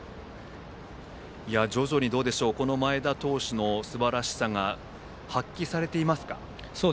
徐々に、前田投手のすばらしさが発揮されていますか。